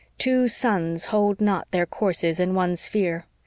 "Two suns hold not their courses in one sphere."